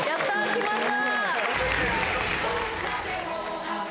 決まった。